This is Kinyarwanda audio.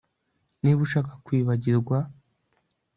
niba ushaka kwibagirwa